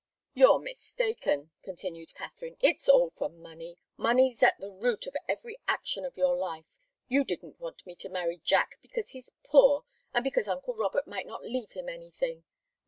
"You're mistaken," continued Katharine. "It's all for money. Money's at the root of every action of your life. You didn't want me to marry Jack because he's poor, and because uncle Robert might not leave him anything.